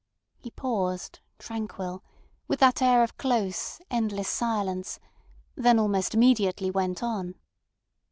He paused, tranquil, with that air of close, endless silence, then almost immediately went on.